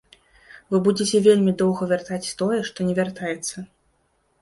Вы будзеце вельмі доўга вяртаць тое, што не вяртаецца.